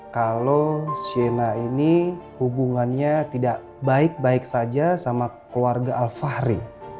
kalau shina ini hubungannya tidak baik baik saja sama keluarga alfahri